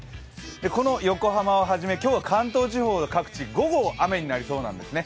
この横浜をはじめ、今日は関東地方各地、午後は雨になりそうなんですね。